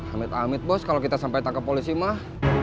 amit amit bos kalau kita sampai tangkap polisi mah